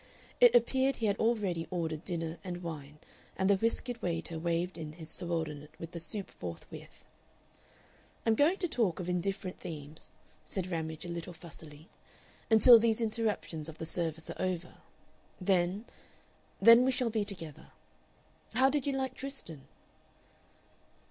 It appeared he had already ordered dinner and wine, and the whiskered waiter waved in his subordinate with the soup forthwith. "I'm going to talk of indifferent themes," said Ramage, a little fussily, "until these interruptions of the service are over. Then then we shall be together.... How did you like Tristan?"